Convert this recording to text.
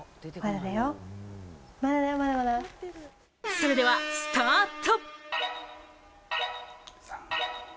それではスタート！